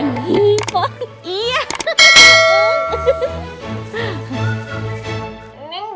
nggak ada yang gitu